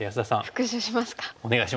復習しますか。